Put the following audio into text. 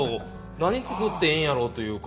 何作ってええんやろというか。